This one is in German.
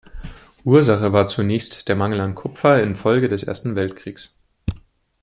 Ursache war zunächst der Mangel an Kupfer infolge des Ersten Weltkriegs.